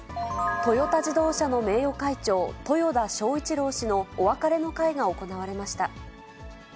トヨタ自動車の名誉会長、豊田章一郎氏のお別れの会が行われました。